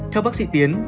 theo bác sĩ tiến